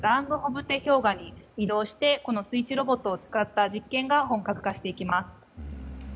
氷河に移動して、水中ロボットを使った実験が本格化していきます。